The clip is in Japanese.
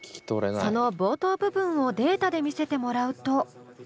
その冒頭部分をデータで見せてもらうと。